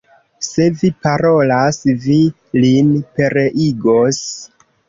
Se vi parolas, vi lin pereigos.